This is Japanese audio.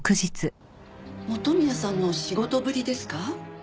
元宮さんの仕事ぶりですか？